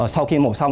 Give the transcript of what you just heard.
sau khi mổ xong